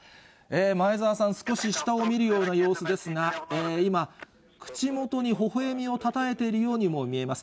前澤さん、少し下を見るような様子ですが、今、口元にほほえみをたたえているようにも見えます。